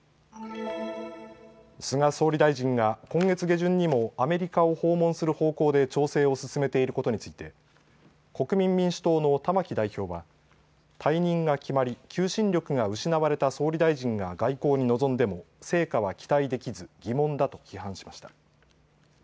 菅総理大臣が今月下旬にもアメリカを訪問する方向で調整を進めていることについて国民民主党の玉木代表は退任が決まり求心力が失われた総理大臣が外交に臨んでも成果は期待できず疑問だと批判しました。